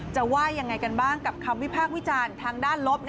ว่ายังไงกันบ้างกับคำวิพากษ์วิจารณ์ทางด้านลบ